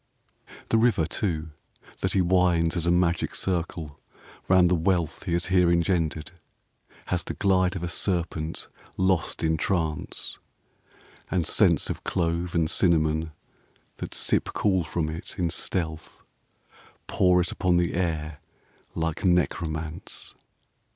V The river, too, that he winds as a magic circle round the wealth He has here engendered, has the glide of a serpent lost in trance; And scents of clove and cinnamon that sip cool from it, in stealth Pour it upon the air like necromance.